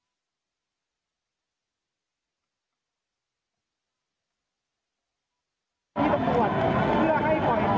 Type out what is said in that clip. เพื่อให้ปล่อยตัวแกนนำพร้อมถึงอ่ามนุษย์มนุษย์และโดน